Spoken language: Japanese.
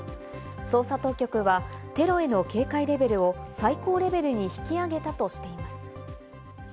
捜査当局はテロへの警戒レベルを最高レベルに引き上げたとしています。